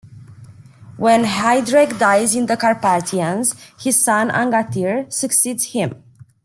When Heidrek dies in the Carpathians, his son, Angantyr, succeeds him.